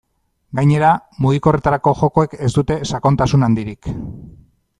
Gainera, mugikorretarako jokoek ez dute sakontasun handirik.